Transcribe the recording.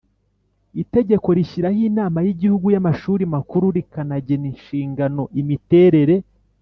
Itegeko rishyiraho Inama y Igihugu y Amashuri Makuru rikanagena inshingano imiterere